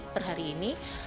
per hari ini